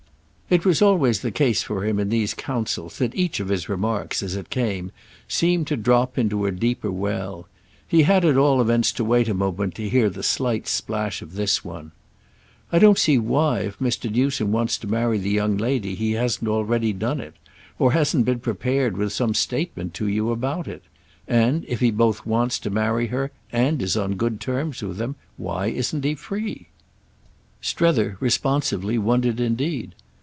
It was always the case for him in these counsels that each of his remarks, as it came, seemed to drop into a deeper well. He had at all events to wait a moment to hear the slight splash of this one. "I don't see why if Mr. Newsome wants to marry the young lady he hasn't already done it or hasn't been prepared with some statement to you about it. And if he both wants to marry her and is on good terms with them why isn't he 'free'?" Strether, responsively, wondered indeed.